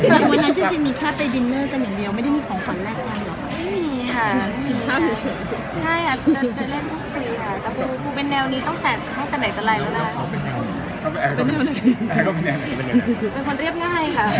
แล้วก็มีหน้าที่ก็ต้องมีหน้าที่ก่อน